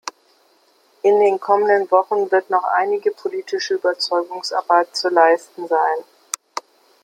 In den kommenden Wochen wird noch einige politische Überzeugungsarbeit zu leisten sein.